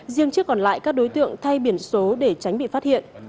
riêng chiếc còn lại các đối tượng thay biển số để tránh bị phát hiện